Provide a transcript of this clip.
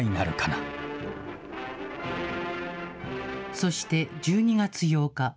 そして１２月８日。